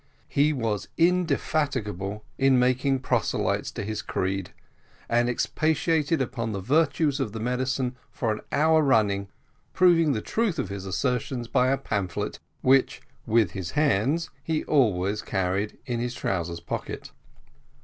He was indefatigable in making proselytes to his creed, and expatiated upon the virtues of the medicine for an hour running, proving the truth of his assertion by a pamphlet, which, with his hands, he always carried in his trousers pocket.